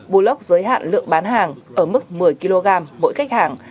bulog giới hạn lượng bán hàng ở mức một mươi kg mỗi khách hàng